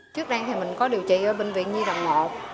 trước đây thì mình có điều trị ở bệnh viện nhi đồng một